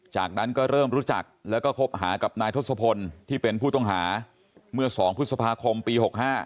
จากนั้นก็เริ่มรู้จักแล้วก็คบหากับนายทศพลที่เป็นผู้ต้องหาเมื่อ๒พฤษภาคมปี๖๕